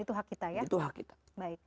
dan itu hak kita ya